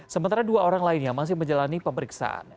sementara dua orang lain yang masih menjalani pemeriksaan